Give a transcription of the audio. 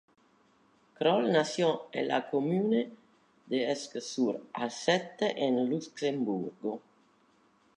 Kroll nació en la "commune" de Esch-sur-Alzette en Luxemburgo.